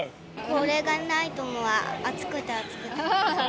これがないともう暑くて暑くて。